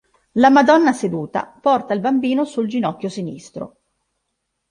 La Madonna seduta porta il bambino sul ginocchio sinistro.